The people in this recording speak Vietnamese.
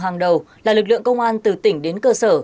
hàng đầu là lực lượng công an từ tỉnh đến cơ sở